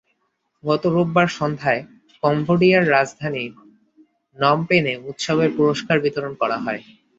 গত রোববার সন্ধ্যায় কম্বোডিয়ার রাজধানী নমপেনে উৎসবের পুরস্কার বিতরণ করা হয়।